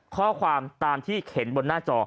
ข้อความตามที่เข็นบนหน้าจอ